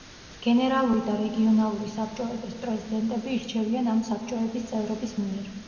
გენერალური და რეგიონალური საბჭოების პრეზიდენტები ირჩევიან ამ საბჭოების წევრების მიერ.